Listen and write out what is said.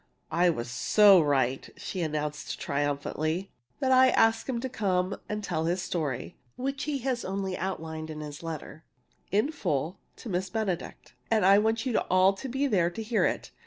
"I was so right," she announced triumphantly, "that I've asked him to come and tell this story (which he has only outlined in his letter) in full to Miss Benedict. And I want you all to be there to hear it.